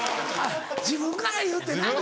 自分から言うってな。